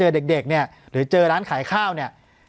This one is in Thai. เด็กเนี่ยหรือเจอร้านขายข้าวเนี่ย